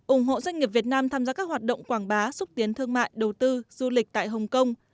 ủng hộ doanh nghiệp việt nam tham gia các hoạt động quảng bá xúc tiến thương mại đầu tư du lịch tại hồng kông